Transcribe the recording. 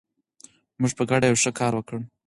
موږ په ګډه یو ښه کار وکړ.